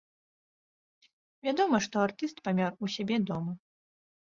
Вядома, што артыст памёр у сябе дома.